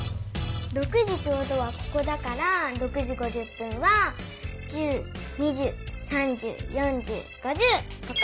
６時ちょうどはここだから６時５０分は１０２０３０４０５０ここ！